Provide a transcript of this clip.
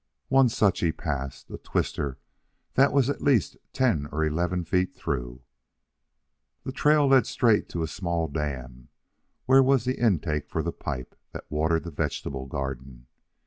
One such he passed, a twister that was at least ten or eleven feet through. The trail led straight to a small dam where was the intake for the pipe that watered the vegetable garden.